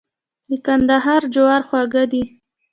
د کندهار جوار خوږ دي.